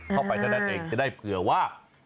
เข้าไปเท่านั้นเอง